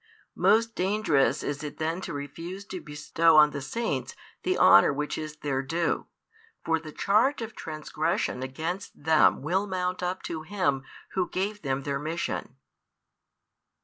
Most dangerous is it then to refuse to bestow on the Saints the honour which is their due; for the charge of transgression against them will mount up to Him Who gave them their mission.